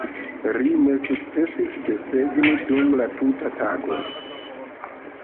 Ri ne sukcesis desegni dum la tuta tago.